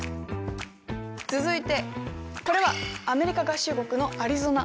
続いてこれはアメリカ合衆国のアリゾナ。